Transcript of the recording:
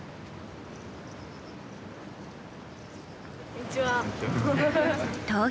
こんにちは。